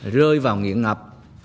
rơi vào nghiện ngập